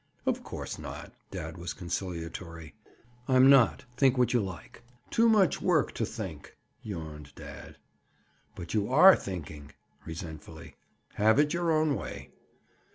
"Of course not." Dad was conciliatory. "I'm not. Think what you like." "Too much work to think," yawned dad. "But you are thinking." Resentfully. "Have it your own way."